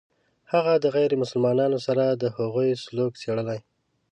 هغه د غیر مسلمانانو سره د هغوی سلوک څېړلی.